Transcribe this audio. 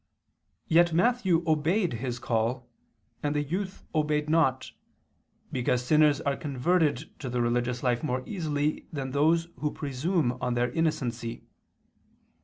Yet Matthew obeyed His call, and the youth obeyed not, because sinners are converted to the religious life more easily than those who presume on their innocency.